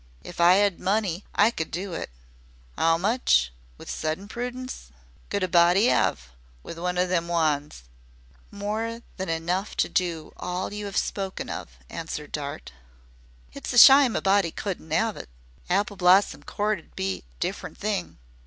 "If I 'ad money I could do it. 'Ow much," with sudden prudence, "could a body 'ave with one o' them wands?" "More than enough to do all you have spoken of," answered Dart. "It's a shime a body couldn't 'ave it. Apple Blossom Court 'd be a different thing.